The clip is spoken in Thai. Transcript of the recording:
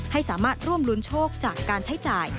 ให้สามารถร่วมรุ้นโชคจากการใช้จ่าย